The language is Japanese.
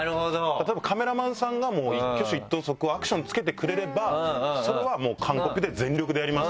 例えばカメラマンさんが一挙手一投足アクションつけてくれればそれはもう完コピで。